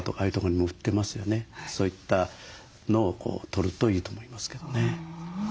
そういったのをとるといいと思いますけどね。